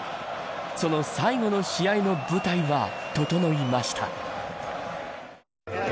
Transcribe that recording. その最後の試合の舞台が整いました。